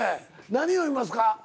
何飲みますか？